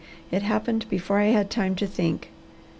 It happened before I had time to think."